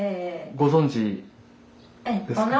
ご存じですか？